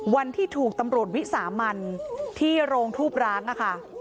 วันที่ถูกตำรวจวิสามันที่โรงทูบร้างอะค่ะ